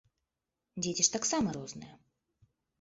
Дзеці ж таксама розныя.